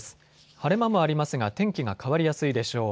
晴れ間もありますが天気が変わりやすいでしょう。